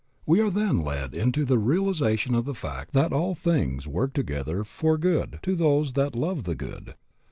We are then led into the full realization of the fact that all things work together for good to those that love the good.